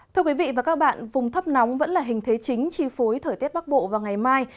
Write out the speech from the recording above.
thưa quý vị và các bạn vùng thấp nóng vẫn là hình thế chính chi phối thời tiết bắc bộ vào ngày mai